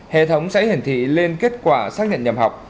hệ thống sẽ hiển thị lên kết quả xác nhận nhập học